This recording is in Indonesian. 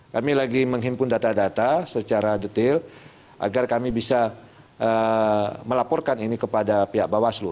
kami lagi menghimpun data data secara detail agar kami bisa melaporkan ini kepada pihak bawaslu